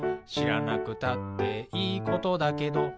「しらなくたっていいことだけど」